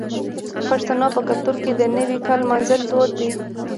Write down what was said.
د پښتنو په کلتور کې د نوي کال لمانځل دود دی.